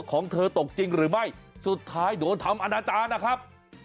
ของเธอตกจริงหรือไม่สุดท้ายโดนทำอนาจารย์นะครับ